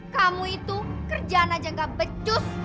kamu itu kerjaan aja gak becus